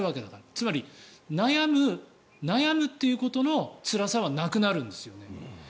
つまり悩むということのつらさはなくなるんですよね。